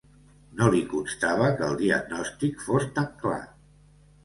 No li constava que el diagnòstic fos tan clar.